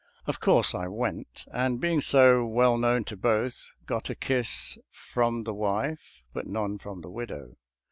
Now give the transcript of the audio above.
Of course I went, and being so well known to both, got a kiss from the wife, but none from the widow.